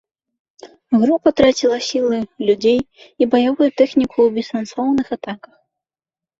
Група траціла сілы, людзей і баявую тэхніку ў бессэнсоўных атаках.